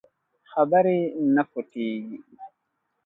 خبرې نه پټېږي.